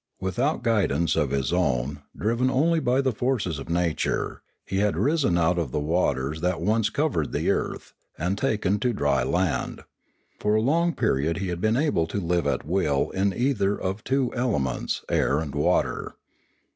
Without guidance of his own, driven only by the forces of nature, he had risen out of the waters that once covered the earth, and taken to dry land; for a long period he had been able to live at will in either of two elements, air and water.